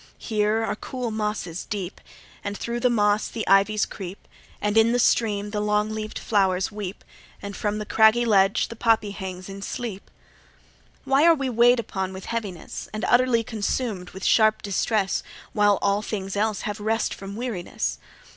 Here are cool mosses deep, And thro' the moss the ivies creep, And in the stream the long leaved flowers weep, And from the craggy ledge the poppy hangs in sleep. 2 Why are we weigh'd upon with heaviness, And utterly consumed with sharp distress, While all things else have rest from weariness?